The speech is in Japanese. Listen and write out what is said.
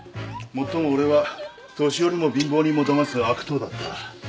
もっとも俺は年寄りも貧乏人もだます悪党だった。